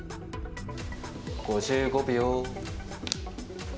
５５秒。